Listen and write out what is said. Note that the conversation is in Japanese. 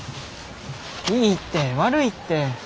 いいって悪いって。